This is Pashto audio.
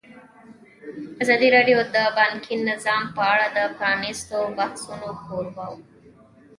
ازادي راډیو د بانکي نظام په اړه د پرانیستو بحثونو کوربه وه.